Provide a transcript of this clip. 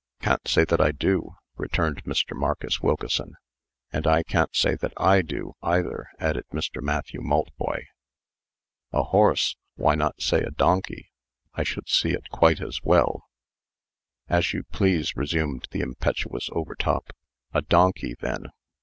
Can't say that I do," returned Mr. Marcus Wilkeson. "And I can't say that I do, either," added Mr. Matthew Maltboy. "A horse! Why not say a donkey? I should see it quite as well." "As you please," resumed the impetuous Overtop. "A donkey, then.